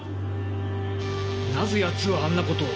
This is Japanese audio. なぜやつはあんなことを？